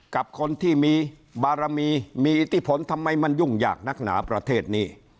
กับคนที่มีบารมีมีอิทธิพลทำไมมันยุ่งยากนักหนาประเทศนี้